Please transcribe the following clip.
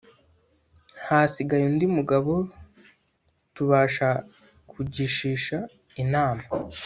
Hasigaye undi mugabo tubasha kugishisha inama